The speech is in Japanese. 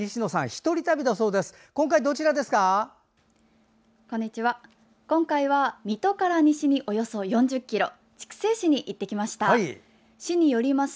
１人旅だそうです。